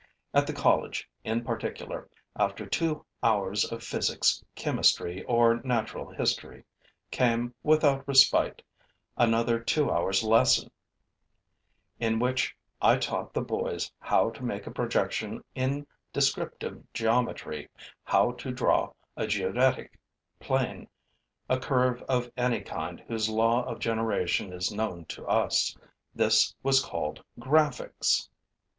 At the college in particular, after two hours of physics, chemistry or natural history, came, without respite, another two hours' lesson, in which I taught the boys how to make a projection in descriptive geometry, how to draw a geodetic plane, a curve of any kind whose law of generation is known to us. This was called graphics.